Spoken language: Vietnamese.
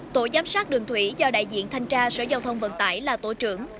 tổ giám sát đường thủy do đại diện thanh tra sở giao thông vận tải là tổ trưởng